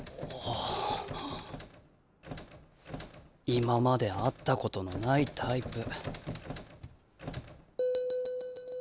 今まで会ったことのないタイプ。